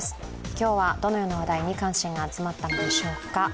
今日はどのような話題に関心が集まったのでしょうか。